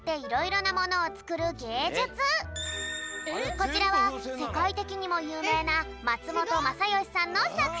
こちらはせかいてきにもゆうめいな松本まさよしさんのさくひん。